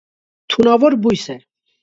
Թունավոր բույս է։